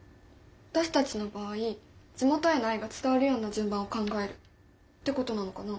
私たちの場合地元への愛が伝わるような順番を考えるってことなのかな。